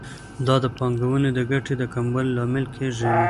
دا د پانګونې د ګټې د کموالي لامل کیږي.